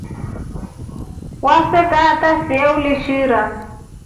Waseka siya hata uliishira.